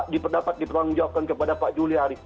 diperdapat dipertanggungjawabkan kepada pak juliari